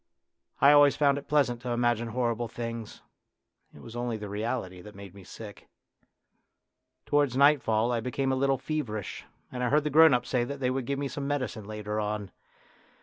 I always found it pleasant to imagine horrible things; it was only the reality that made me sick. Towards nightfall I became a little feverish, and I heard the grown ups say that they would A DRAMA OF YOUTH 33 give me some medicine later on.